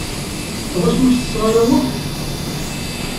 Ɣas ur setteɣ ara wa?